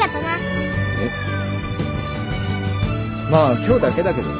えっまあ今日だけだけどな。